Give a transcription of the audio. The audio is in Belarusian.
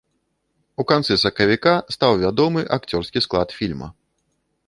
У канцы сакавіка стаў вядомы акцёрскі склад фільма.